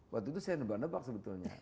waktu itu saya nebak nebak sebetulnya